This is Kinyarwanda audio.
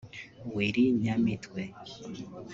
Willy Nyamitwe